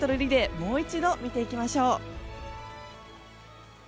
もう一度、見ていきましょう。